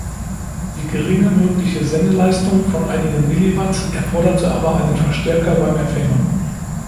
Die geringe mögliche Sendeleistung von einigen Milliwatt erforderte aber einen Verstärker beim Empfänger.